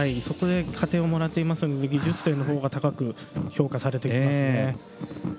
そこで加点をもらっていますので技術点のほうが高く評価されてきますね。